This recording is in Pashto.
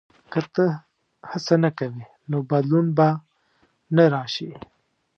• که ته هڅه نه کوې، نو بدلون به نه راشي.